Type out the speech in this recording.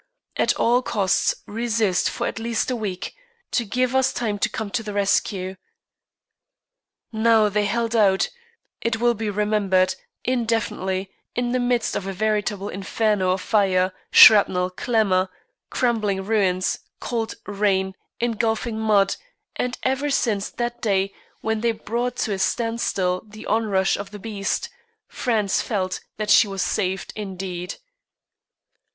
At all costs resist for at least a week, to give us time to come to the rescue." Now they held out, it will be remembered, indefinitely, in the midst of a veritable inferno of fire, shrapnel, clamour, crumbling ruins, cold, rain, engulfing mud, and ever since that day when they brought to a standstill the onrush of the beast, France felt that she was saved indeed.